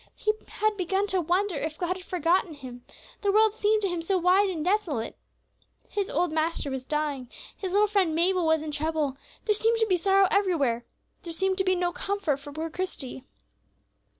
He had begun to wonder if God had forgotten him; the world seemed to him so wide and desolate. His old master was dying, his little friend Mabel was in trouble, there seemed to be sorrow everywhere. There seemed to be no comfort for poor Christie.